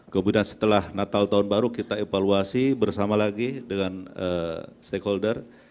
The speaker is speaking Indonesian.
kemudian setelah natal tahun baru kita evaluasi bersama lagi dengan stakeholder